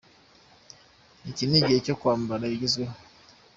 “Iki ni igihe cyo kwambara ibigezweho.